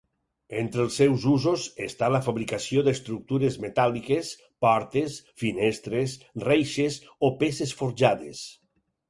Entre els seus usos està la fabricació d'estructures metàl·liques, portes, finestres, reixes, o peces forjades.